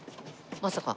まさか。